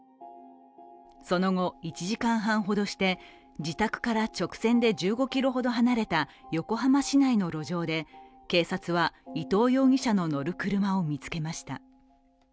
その後、１時間半ほどして自宅から直線で１５ｋｍほど離れた横浜市内の路上で警察は伊藤容疑者の乗る車を見つけました。